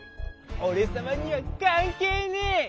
おれさまにはかんけいねえ。